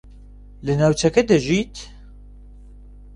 لە ناوچەکە دەژیت؟